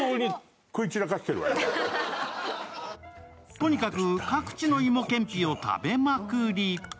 とにかく各地の芋けんぴを食べまくり。